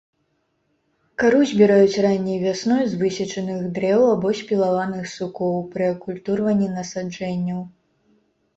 Кару збіраюць ранняй вясной з высечаных дрэў або спілаваных сукоў пры акультурванні насаджэнняў.